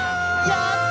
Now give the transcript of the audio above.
やった！